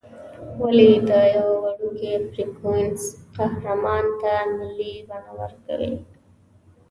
ولې د یوه وړوکي فرکسیون قهرمان ته ملي بڼه ورکوې.